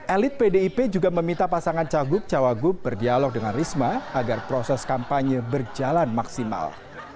elit pdip juga meminta pasangan cagup cawagup berdialog dengan risma agar proses kampanye berjalan maksimal